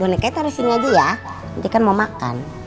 boleh kaya taruh sini aja ya nanti kan mau makan